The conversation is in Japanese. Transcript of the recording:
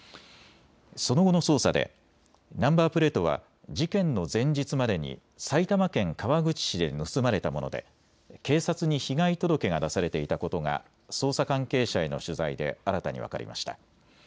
その後の捜査でナンバープレートは事件の前日までに埼玉県川口市で盗まれたもので警察に被害届が出されていたことが捜査関係者への取材で新たに分かりました。